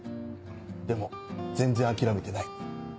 でも全然諦めてない。